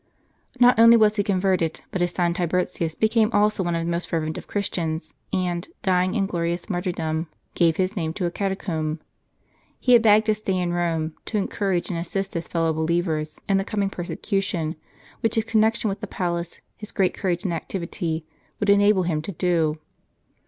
JSTot only was he converted, but his son Tiburtius became also one of the most fervent of Christians ; and, dying in glorious martyrdom, gave his name to a cata comb. He had begged to stay in Rome, to encourage and assist his fellow believers, in the coming persecution, which his connection with the palace, his great courage and activity, would enable him to do.